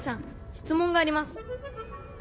質問があります。